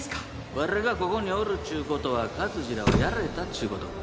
ワレがここにおるっちゅう事は勝次らはやられたっちゅう事か？